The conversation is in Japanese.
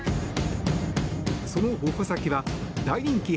その矛先は大人気